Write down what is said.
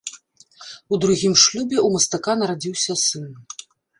У другім шлюбе ў мастака нарадзіўся сын.